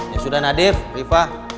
ya sudah nadif rifah